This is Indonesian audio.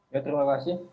ya terima kasih